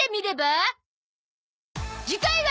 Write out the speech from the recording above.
次回は